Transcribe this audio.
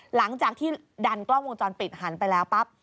หลังจากที่ดันกล้องวงจรปิดหันไปแล้วปั๊บ